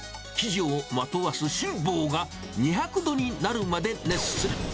生地をまとわす辛抱が、２００度になるまで熱する。